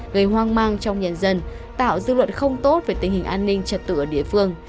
gây hoang mang trong nhân dân tạo dư luận không tốt về tình hình an ninh trật tự ở địa phương